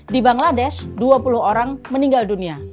di bangladesh dua puluh orang meninggal dunia